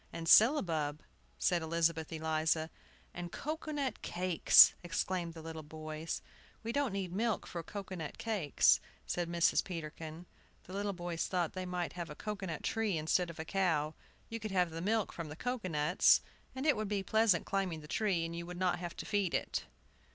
"And syllabub," said Elizabeth Eliza. "And cocoa nut cakes," exclaimed the little boys. "We don't need the milk for cocoa nut cakes," said Mrs. Peterkin. The little boys thought they might have a cocoa nut tree instead of a cow. You could have the milk from the cocoa nuts, and it would be pleasant climbing the tree, and you would not have to feed it.